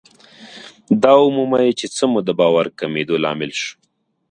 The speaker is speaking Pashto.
دا ومومئ چې څه مو د باور کمېدو لامل شو.